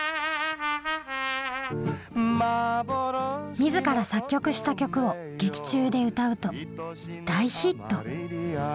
みずから作曲した曲を劇中で歌うと大ヒット。